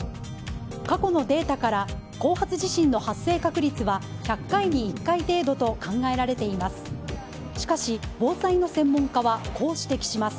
過去のデータから後発地震の発生確率は１００回に１回程度と考えられています。